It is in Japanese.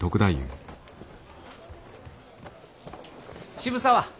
渋沢。